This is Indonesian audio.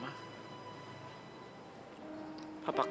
mama cepat sadar ya ma